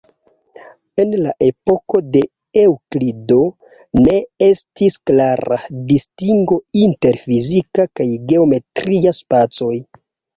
En la epoko de Eŭklido, ne estis klara distingo inter fizika kaj geometria spacoj.